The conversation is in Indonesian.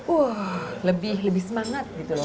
wah lebih semangat gitu loh